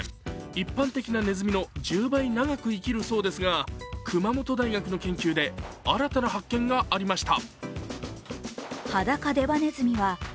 一般的なネズミの１０倍長く生きるそうですが熊本大学の研究で新たな発見がありました。